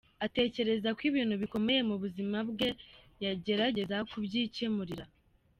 Atekereza ko ibintu bikomeye mu buzima bwe yagerageza kubyikemurira.